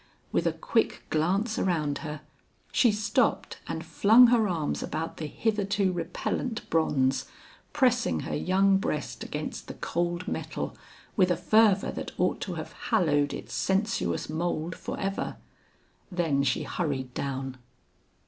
With a quick glance around her, she stopped and flung her arms about the hitherto repellant bronze, pressing her young breast against the cold metal with a fervor that ought to have hallowed its sensuous mould forever. Then she hurried down.